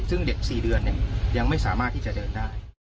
ซึ่งเด็ก๔เดือนยังไม่สามารถที่จะเดินได้